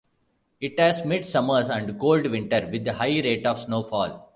It has mid summers and cold winter with high rate of snowfall.